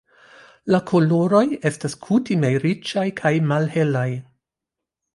La koloroj estas kutime riĉaj kaj malhelaj.